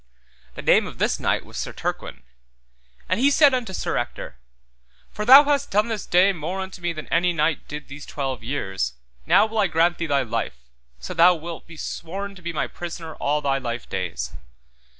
The name of this knight was Sir Turquine. Then he said unto Sir Ector, For thou hast done this day more unto me than any knight did these twelve years, now will I grant thee thy life, so thou wilt be sworn to be my prisoner all thy life days.